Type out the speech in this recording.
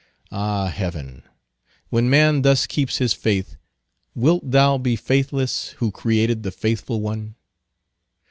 Ah, heaven, when man thus keeps his faith, wilt thou be faithless who created the faithful one?